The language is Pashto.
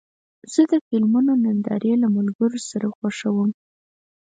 زه د فلمونو نندارې له ملګرو سره خوښوم.